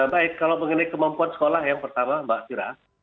baik kalau mengenai kemampuan sekolah yang pertama mbak tira